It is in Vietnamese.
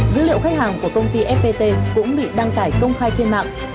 dữ liệu khách hàng của công ty fpt cũng bị đăng tải công khai trên mạng